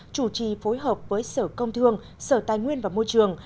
chủ trì phối hợp với sở công thương sở tài nguyên và môi trường